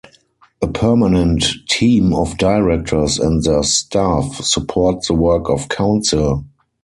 A permanent team of Directors and their staff support the work of Council.